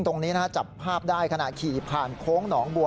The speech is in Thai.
ตรงนี้นะฮะจับภาพได้ขณะขี่ผ่านโค้งหนองบัว